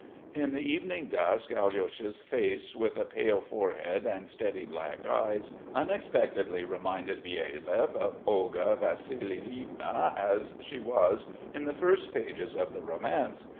In the evening dusk Alyosha's face with a pale forehead and steady black eyes unexpectedly reminded Byelyaev of Olga Vassilievna as she was in the first pages of the romance.